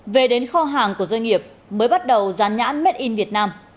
về đến kho hàng của doanh nghiệp mới bắt đầu dán nhãn made in việt nam